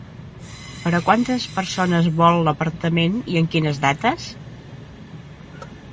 Per a quantes persones vol l'apartament i en quines dates?